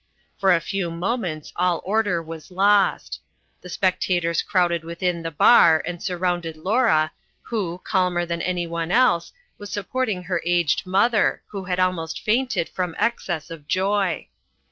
For a few moments all order was lost. The spectators crowded within the bar and surrounded Laura who, calmer than anyone else, was supporting her aged mother, who had almost fainted from excess of joy.